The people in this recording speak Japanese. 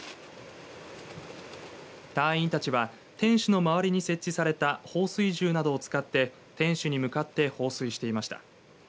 隊員たちは天守の周りに設置された放水銃などを使って天守に向かって放水していました。